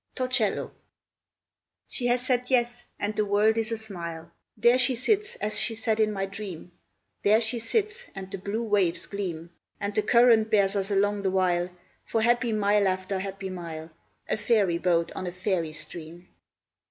TORCELLO. She has said "yes," and the world is a smite. There she sits as she sat in my dream; There she sits, and the blue waves gleam, And the current bears us along the while For happy mile after happy mile, A fairy boat on a fairy stream.